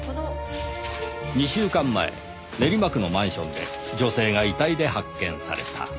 ２週間前練馬区のマンションで女性が遺体で発見された。